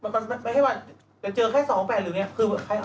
ไม่ใช่ว่าเจอแค่๒๘หรืออย่างนี้